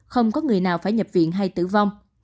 không có người nào phải nhập viện hay tử vong